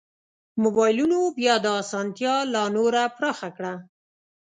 مبایلونو بیا دا اسانتیا لا نوره پراخه کړه.